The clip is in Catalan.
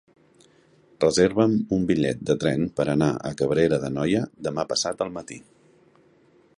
Reserva'm un bitllet de tren per anar a Cabrera d'Anoia demà passat al matí.